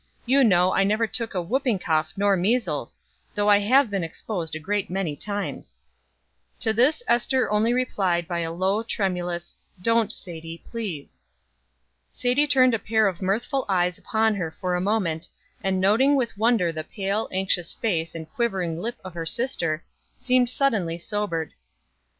You know I never took whooping cough nor measles, though I have been exposed a great many times." To this Ester only replied by a low, tremulous, "Don't, Sadie, please." Sadie turned a pair of mirthful eyes upon her for a moment, and noting with wonder the pale, anxious face and quivering lip of her sister, seemed suddenly sobered.